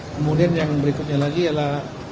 kemudian yang berikutnya lagi adalah